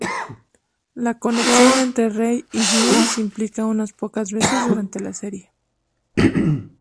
La conexión entre Rei y Yui se implica unas pocas veces durante la serie.